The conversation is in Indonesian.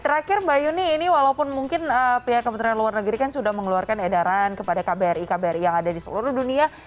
terakhir mbak yuni ini walaupun mungkin pihak kementerian luar negeri kan sudah mengeluarkan edaran kepada kbri kbri yang ada di seluruh dunia